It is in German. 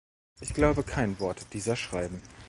Ich glaube kein Wort dieser Schreiben!